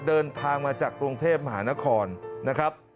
เดินทางมาจากกรุงเทพมหานครนะครับ